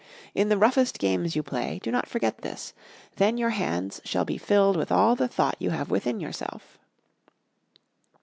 In the roughest games you play do not forget this; then your hands shall be filled with all the thought you have within yourself."